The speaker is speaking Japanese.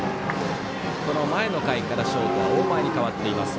この前の回からショートは大前に代わっています。